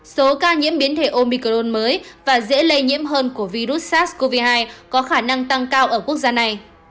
số ca nhiễm biến thể omicron mới và dễ lây nhiễm hơn của virus sars cov hai có khả năng tăng cao ở quốc gia này